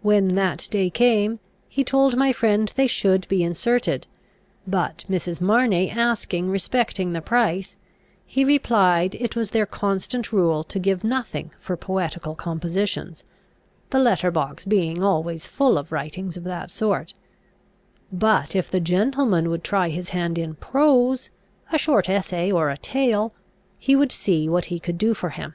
When that day came he told my friend they should be inserted; but, Mrs. Marney asking respecting the price, he replied, it was their constant rule to give nothing for poetical compositions, the letter box being always full of writings of that sort; but if the gentleman would try his hand in prose, a short essay or a tale, he would see what he could do for him.